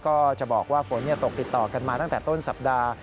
ก็จะบอกว่าฝนตกติดต่อกันมาตั้งแต่ต้นสัปดาห์